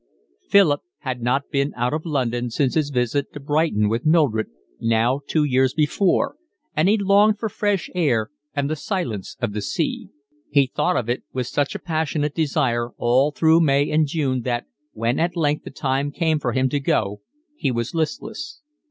Philip had not been out of London since his visit to Brighton with Mildred, now two years before, and he longed for fresh air and the silence of the sea. He thought of it with such a passionate desire, all through May and June, that, when at length the time came for him to go, he was listless.